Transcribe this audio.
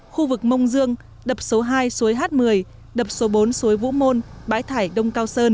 khu vực mông dương đập số hai suối h một mươi đập số bốn suối vũ môn